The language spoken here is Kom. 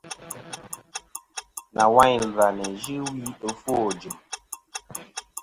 Nawayn ɨ̀lvɨ-a nɨn yɨ wi ɨfwo ɨjɨ̀m.